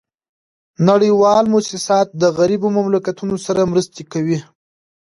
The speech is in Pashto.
نړیوال موسسات د غریبو مملکتونو سره مرستي کوي